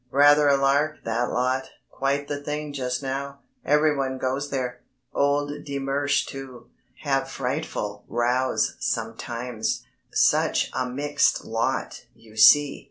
Rather a lark that lot, quite the thing just now, everyone goes there; old de Mersch too. Have frightful rows sometimes, such a mixed lot, you see."